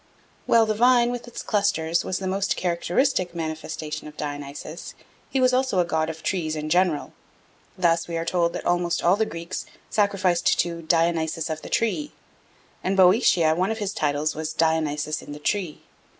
While the vine with its clusters was the most characteristic manifestation of Dionysus, he was also a god of trees in general. Thus we are told that almost all the Greeks sacrificed to "Dionysus of the tree." In Boeotia one of his titles was "Dionysus in the tree."